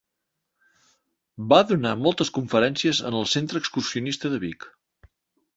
Va donar moltes conferències en el Centre Excursionista de Vic.